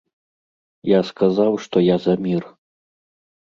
Я сказаў, што я за мір.